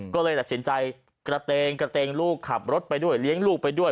ก็เลยตัดสินใจกระเตงกระเตงลูกขับรถไปด้วยเลี้ยงลูกไปด้วย